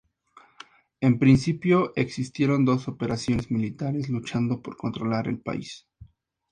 En principio existieron dos operaciones militares luchando por controlar el país.